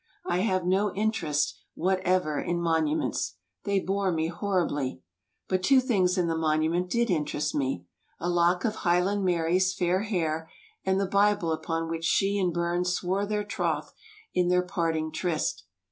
I have no interest whatever in monuments. They bore me horribly. But two things in the monument did interest me, a lock of Highland Mary's fair hair and the Bible upon which she and Bums swore their troth in their parting tryst.